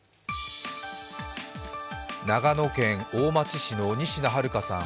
長野県大町市の仁科日花さん